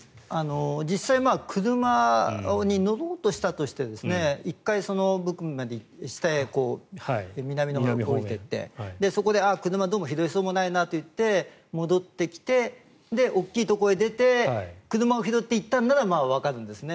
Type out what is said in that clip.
実際車に乗ろうとしたとして１回、南のほうに行ってそこで車をどうも拾えそうもないなっていって戻ってきて大きいところへ出て車を拾っていったんならまあ、わかるんですね。